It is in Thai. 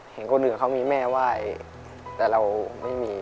เห็นคนอื่นเขามีแม่ไหว้แต่เราไม่มี